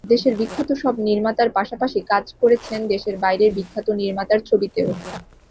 দেশের বিখ্যাত সব নির্মাতার পাশাপাশি কাজ করেছেন দেশের বাইরের বিখ্যাত নির্মাতার ছবিতেও।